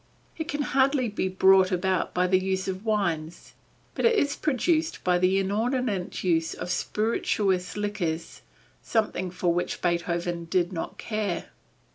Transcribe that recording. It can hardly be brought about by the use of wines, but is produced by the inordinate use of spirituous liquors, something for which Beethoven did not care.